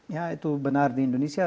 ya itu benar di indonesia